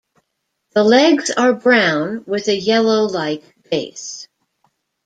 The legs are brown with a yellow like base.